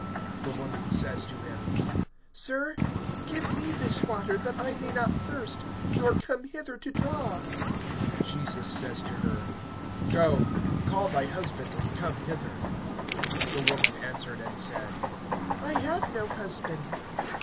(15)The woman says to him: Sir, give me this water, that I may not thirst, nor come hither to draw. (16)Jesus says to her: Go, call thy husband, and come hither. (17)The woman answered and said: I have no husband.